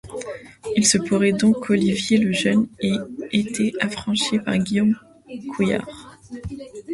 Il se pourrait donc qu'Olivier Le Jeune ait été affranchi par Guillaume Couillard.